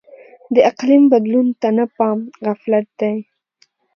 د اقلیم بدلون ته نه پام غفلت دی.